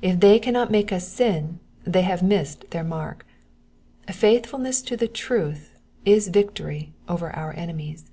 If they cannot make us sin they have missed their mark. Faithfulness to the truth is victory over our enemies.